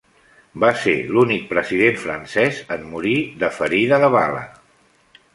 Va ser l'únic president francès en morir de ferida de bala.